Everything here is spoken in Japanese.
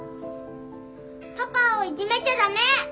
パパをいじめちゃ駄目！